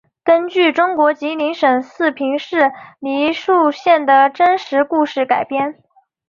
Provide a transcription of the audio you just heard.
根据中国吉林省四平市梨树县的真实故事改编。